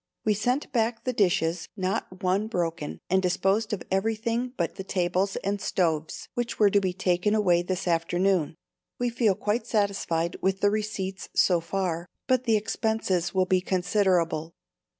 We sent back the dishes, not one broken, and disposed of everything but the tables and stoves, which were to be taken away this afternoon. We feel quite satisfied with the receipts so far, but the expenses will be considerable.